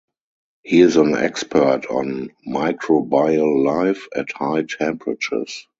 He is an expert on microbial life at high temperatures.